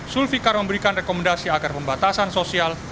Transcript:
zulfikar memberikan rekomendasi agar pembatasan sosial